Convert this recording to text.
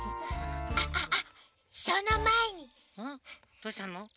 どうしたの？